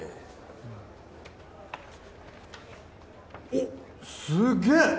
おっすげえ！